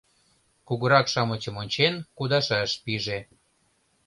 Кугурак-шамычым ончен, кудашаш пиже.